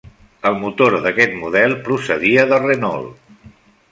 El motor d'aquest model procedia de Renault.